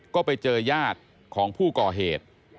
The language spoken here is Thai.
ก็ไปเจอญาติของผู้ก่อเหตุ